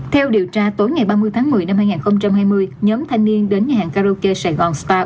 theo điều tra tối ngày ba mươi tháng một mươi năm hai nghìn hai mươi nhóm thanh niên đến nhà hàng karaoke saigon star